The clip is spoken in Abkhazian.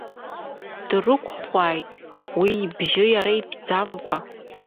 Дрықәхәааит уи, ибжьы иара итәӡамкәа.